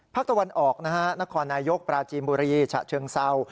ภาคตะวันออกนะฮะนครนายกปราจีนบุรีฉะเชิงเศร้า